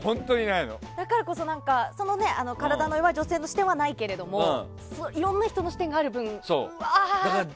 だからこそ体の弱い女性の視点はないけれどもいろんな人の視点がある分うわって。